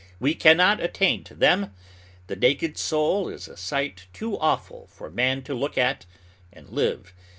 We can not attain to them. The naked soul is a sight too awful for man to look at and live.